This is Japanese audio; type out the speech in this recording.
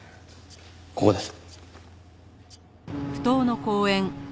ここです。